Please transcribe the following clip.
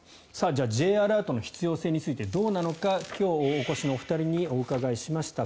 じゃあＪアラートの必要性についてどうなのか今日お越しのお二人にお伺いしました。